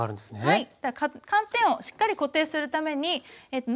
はい。